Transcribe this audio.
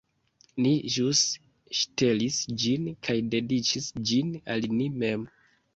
Ni ĵus ŝtelis ĝin kaj dediĉis ĝin al ni mem